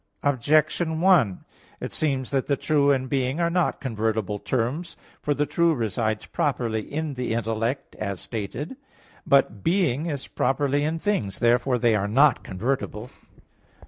Objection 1: It seems that the true and being are not convertible terms. For the true resides properly in the intellect, as stated (A. 1); but being is properly in things. Therefore they are not convertible.